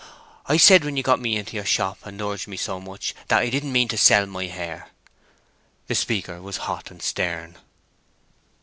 I said when you got me into your shop and urged me so much, that I didn't mean to sell my hair!" The speaker was hot and stern.